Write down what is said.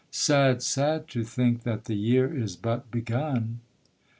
Sad, sad, to think that the year is but begun.'